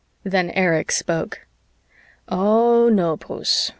Then Erich spoke. "Oh, no, Bruce.